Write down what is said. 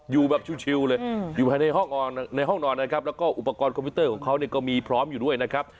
อยู่แบบชิวเลยอยู่ภายในห้องในห้องนอนนะครับแล้วก็อุปกรณ์คอมพิวเตอร์ของเขาเนี่ยก็มีพร้อมอยู่ด้วยนะครับ